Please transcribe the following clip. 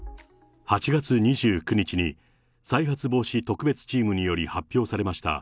８月２９日に再発防止特別チームにより発表されました。